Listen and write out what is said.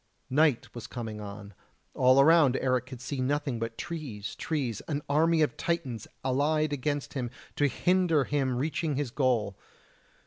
Night was coming on; all around Eric could see nothing but trees, trees an army of Titans allied against him to hinder him reaching his goal.